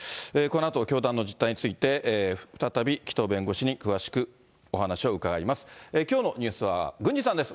このあと教団の実態について、再び紀藤弁護士に詳しくお話を伺います。